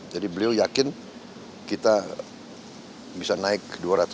jadi beliau yakin kita bisa naik dua ratus tiga ratus